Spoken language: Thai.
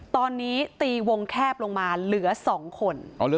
ตอนนี้ตีวงแคบลงมาเหลือ๒คน